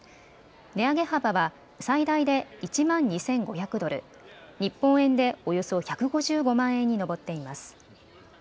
値上げ幅は最大で１万２５００ドル、日本円でおよそ１５５万円に上っています。